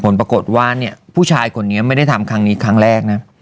ผลปรากฏว่าเนี่ยผู้ชายคนนี้ไม่ได้ทำครั้งนี้ครั้งแรกนะ